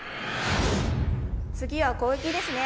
次は攻撃ですね。